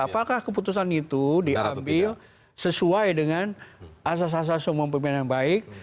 apakah keputusan itu diambil sesuai dengan asas asas umum pemimpin yang baik